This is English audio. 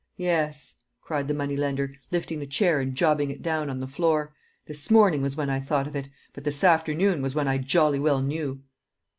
Yes," cried the money lender, lifting the chair and jobbing it down on the floor; "this morning was when I thought of it, but this afternoon was when I jolly well knew."